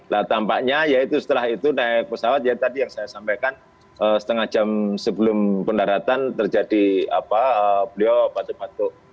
nah tampaknya ya itu setelah itu naik pesawat ya tadi yang saya sampaikan setengah jam sebelum pendaratan terjadi apa beliau batuk batuk